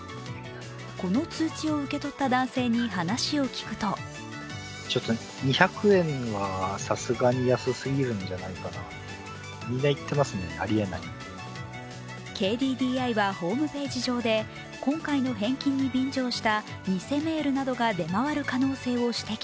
この通知を受け取った男性に話を聞くとＫＤＤＩはホームページ上で今回の返金の便乗した偽メールなどが出回る可能性を指摘。